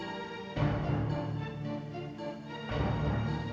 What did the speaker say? dewi sawitri dan sarpala